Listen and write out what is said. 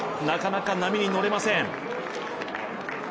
なかなか、波に乗れません。